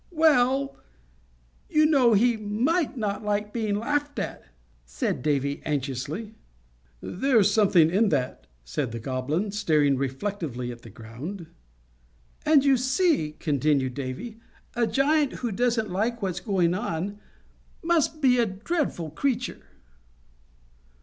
"Well, you know, he might not like being laughed at," said Davy, anxiously. [Illustration: "JUST LISTEN TO THIS."] "There's something in that," said the Goblin, staring reflectively at the ground. "And, you see," continued Davy, "a giant who doesn't like what's going on must be a dreadful creature."